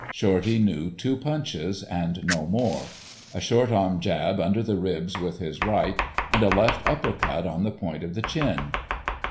Shorty knew two punches, and no more—a short arm jab under the ribs with his right, and a left upper cut on the point of the chin.